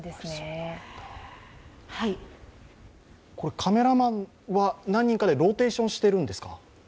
カメラマンは何人かでローテーションしてるんですか？